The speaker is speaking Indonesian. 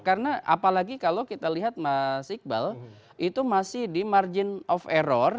karena apalagi kalau kita lihat mas iqbal itu masih di margin of error